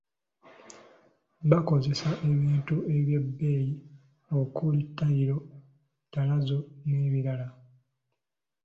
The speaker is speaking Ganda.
Baakozesa ebintu eby'ebbeeyi okuli ttayiro, ttalazo n'ebirala.